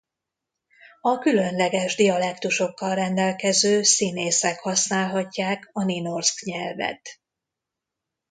A különleges dialektusokkal rendelkező színészek használhatják a nynorsk nyelvet.